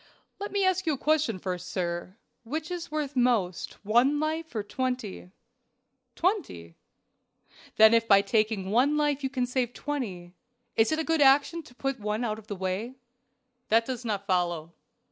"Let me ask you a question first, sir. Which is worth most, one life or twenty?" "Twenty." "Then if by taking one life you can save twenty, it is a good action to put that one out of the way?" "That does not follow."